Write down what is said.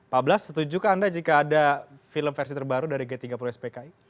pak ablas setujukah anda jika ada film versi terbaru dari g tiga puluh spki